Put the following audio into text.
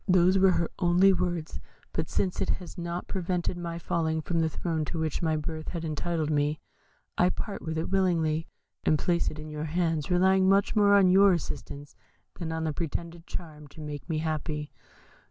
Those were her only words; but since it has not prevented my falling from the throne to which my birth had entitled me, I part with it willingly, and place it in your hands, relying much more on your assistance than on the pretended charm to make me happy.'